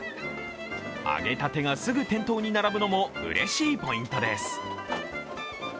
揚げたてがすぐ店頭に並ぶのもうれしいポイントです。